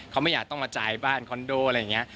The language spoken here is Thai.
เขาไม่อยากต้องมาจ่ายบ้านคอนโดอะไรอย่างนี้